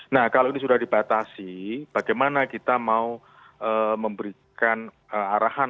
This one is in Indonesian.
nah kalau ini sudah dibatasi bagaimana kita mau memberikan arahan